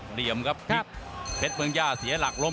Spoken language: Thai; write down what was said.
หมดยกที่สาม